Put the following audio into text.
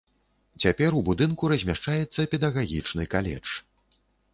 Цяпер у будынку размяшчаецца педагагічны каледж.